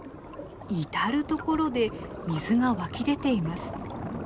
至る所で水が湧き出ています。